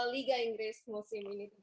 liga inggris musim ini